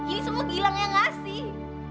ini semua gilang yang ngasih